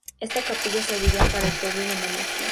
Esta capilla serviría para el pueblo y la Monarquía.